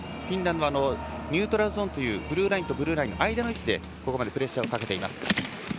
フィンランドはニュートラルゾーンというブルーラインとブルーラインの間の位置でプレッシャーをかけています。